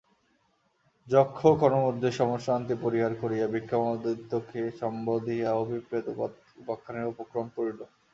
যক্ষও ক্ষণমধ্যে সমরশ্রান্তি পরিহার করিয়া বিক্রমাদিত্যকে সম্বোধিয়া অভিপ্রেত উপাখ্যানের উপক্রম করিল।